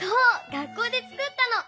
学校でつくったの。